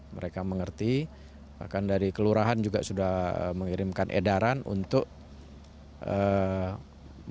mereka mengerti bahkan dari kelurahan juga sudah mengirimkan edaran untuk melakukan